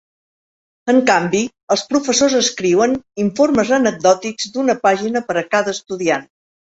En canvi, els professors escriuen informes anecdòtics d'una pàgina per a cada estudiant.